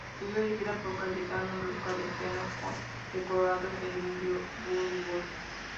Estuvo dirigida por Cayetano Luca de Tena, con decorados de Emilio Burgos.